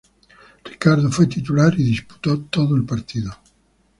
Ricardo fue titular y disputó todo el partido.